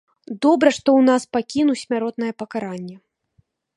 Добра, што ў нас пакіну смяротнае пакаранне.